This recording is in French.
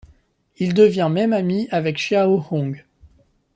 Il devient même ami avec Xiao Hong.